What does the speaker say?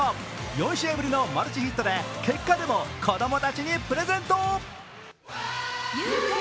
４試合ぶりのマルチヒットで結果でも子供たちにプレゼント。